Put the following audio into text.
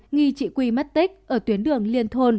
nghi chị quy mất tích ở tuyến đường liên thôn